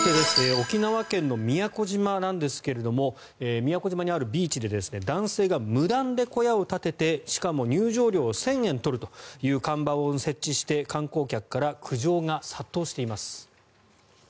沖縄県の宮古島ですが宮古島にあるビーチで男性が無断で小屋を建ててしかも、入場料を１０００円取るという看板を設置して観光客から苦情が殺到しています。